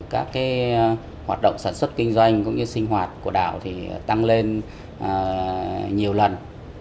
các hoạt động sản xuất kinh doanh cũng như sinh hoạt của đảo thì tăng lên nhiều lần